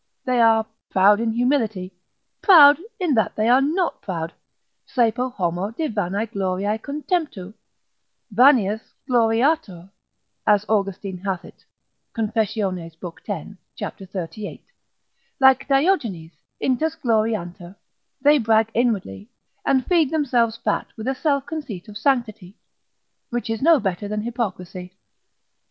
They are proud in humility, proud in that they are not proud, saepe homo de vanae gloriae contemptu, vanius gloriatur, as Austin hath it, confess. lib. 10, cap. 38, like Diogenes, intus gloriantur, they brag inwardly, and feed themselves fat with a self conceit of sanctity, which is no better than hypocrisy.